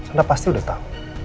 anda pasti udah tahu